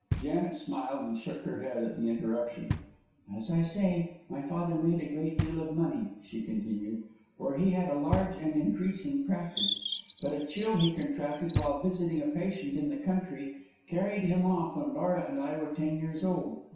Janet smiled and shook her head at the interruption. "As I say, my father made a great deal of money," she continued, "for he had a large and increasing practice, but a chill he contracted while visiting a patient in the country carried him off when Laura and I were ten years old.